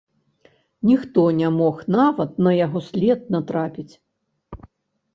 Ніхто не мог нават на яго след натрапіць.